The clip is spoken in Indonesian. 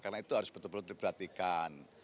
karena itu harus betul betul diperhatikan